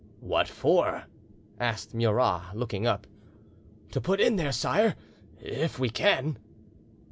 "What for?" asked Murat, looking up. "To put in there, sire, if we can."